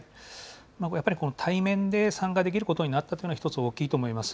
やっぱりこの対面で参加できることになったっていうのは一つ大きいと思います。